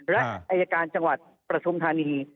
และอาจารย์การจังหวัดประธุมธรรมนี้